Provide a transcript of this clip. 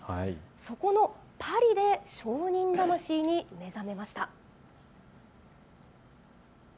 そこのパリで商人魂に目覚めました。